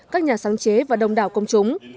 các nhà sáng chế và đồng đảo công chúng